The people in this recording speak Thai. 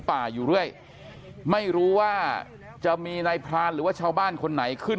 ป่าอยู่เรื่อยไม่รู้ว่าจะมีนายพรานหรือว่าชาวบ้านคนไหนขึ้น